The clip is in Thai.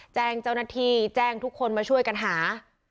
แจ้งเจ้าหน้าที่แจ้งทุกคนมาช่วยกันหา